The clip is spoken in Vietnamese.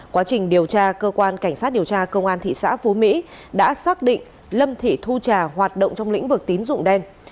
quá trình điều tra cơ quan cảnh sát điều tra công an thị xã phú mỹ đã xác định lâm thị thu trà hoạt động trong lĩnh vực tín dụng đen